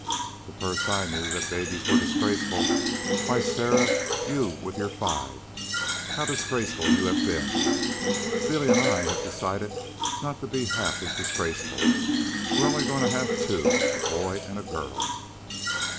"The first I knew that babies were disgraceful. Why, Sarah, you, with your five, how disgraceful you have been. Billy and I have decided not to be half as disgraceful. We're only going to have two a boy and a girl."